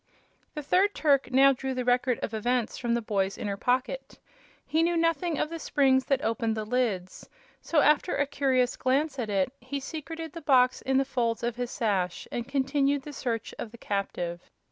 The third Turk now drew the Record of Events from the boy's inner pocket. He knew nothing of the springs that opened the lids, so, after a curious glance at it, he secreted the box in the folds of his sash and continued the search of the captive.